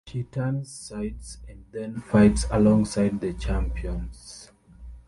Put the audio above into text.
She turns sides, and then fights alongside the Champions.